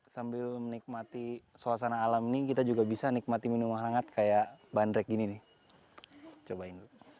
sambil menikmati suasana alam ini kita juga bisa menikmati minum hangat kayak bandrek gini